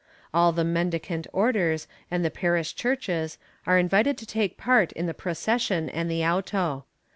All the Mendicant Orders and the parish churches are invited to take part in the procession and the auto.